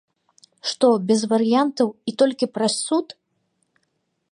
Што без варыянтаў і толькі праз суд?